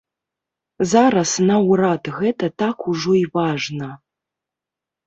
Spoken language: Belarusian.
Зараз наўрад гэта так ужо і важна.